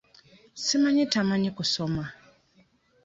Simanyi tamanyi kusoma?